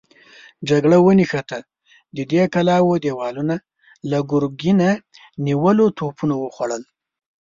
جګړه ونښته، د دې کلاوو دېوالونه له ګرګينه نيولو توپونو وخوړل.